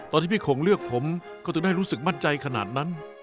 ที่พี่โขงเลือกผมก็จะได้รู้สึกมั่นใจขนาดนั้น